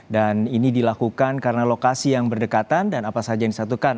dan ini dilakukan karena lokasi yang berdekatan dan apa saja yang disatukan